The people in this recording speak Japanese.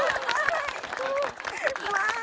うまい！